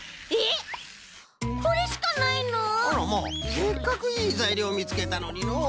せっかくいいざいりょうみつけたのにのう。